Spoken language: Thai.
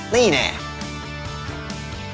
นี่แหนะ